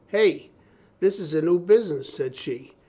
"Hey! This is a new busi ness," said she.